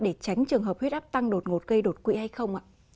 để tránh trường hợp huyết áp tăng đột ngột gây đột quỵ hay không ạ